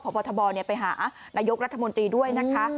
พบทบไปหานายกรัฐมนตรีด้วยนะคะ